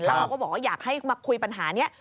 แล้วเขาก็บอกว่าอยากให้มาคุยปัญหานี้